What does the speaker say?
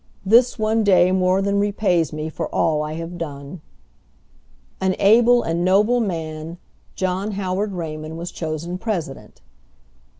This one day more than repays me for all I have done." An able and noble man, John Howard Raymond, was chosen president.